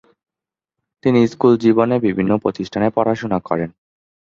তিনি স্কুল জীবনে বিভিন্ন প্রতিষ্ঠানে পড়াশোনা করেন।